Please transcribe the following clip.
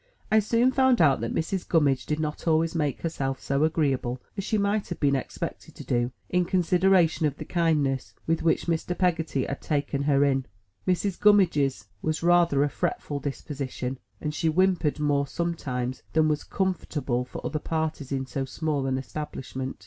I soon found out that Mrs. Gummidge did not always make herself so agreeable as she might have been expected to do, in consideration of the kindness with which Mr. Peggotty had taken no THE TREASURE CHEST her in. Mrs. Gummidge's was rather a fretful disposition, and she whimpered more sometimes than was comfortable for other parties in so small an establishment.